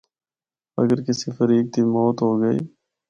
اگر کسی فریق دی موت ہو گئی۔